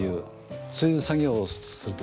そういう作業をするんですね。